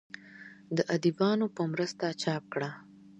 د اديبانو پۀ مرسته چاپ کړه